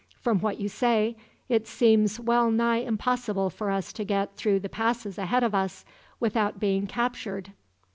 From what you say, it seems well nigh impossible for us to get through the passes ahead of us, without being captured."